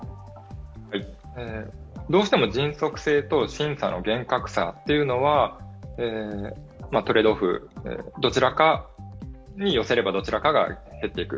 どうしても迅速性と審査の厳格さというのはトレードオフ、どちらかに寄せればどちらかが減っていく